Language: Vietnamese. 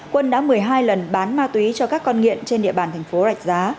quân đã một mươi hai lần bán ma túy cho các con nghiện trên địa bàn thành phố rạch giá